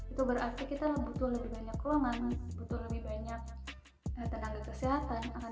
itu berarti kita butuh lebih banyak ruangan butuh lebih banyak tenaga kesehatan